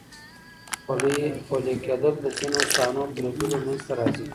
خولې کېدل د ځینو صحنو په لیدلو منځ ته راځي.